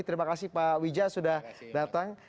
terima kasih pak wija sudah datang